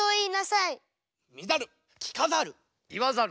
いわざる。